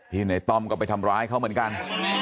ในต้อมก็ไปทำร้ายเขาเหมือนกัน